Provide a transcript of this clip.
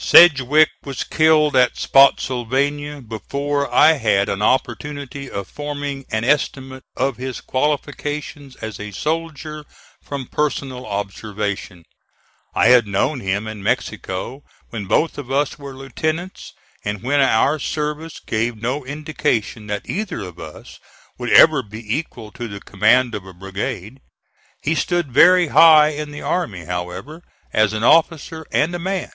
Sedgwick was killed at Spottsylvania before I had an opportunity of forming an estimate of his qualifications as a soldier from personal observation. I had known him in Mexico when both of us were lieutenants, and when our service gave no indication that either of us would ever be equal to the command of a brigade. He stood very high in the army, however, as an officer and a man.